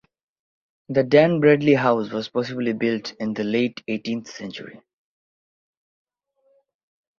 The Dan Bradley House was possibly built in the late eighteenth century.